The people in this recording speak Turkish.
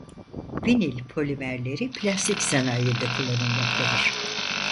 Vinil polimerleri plastik sanayinde kullanılmaktadır.